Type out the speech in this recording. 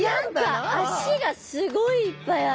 何か脚がすごいいっぱいある。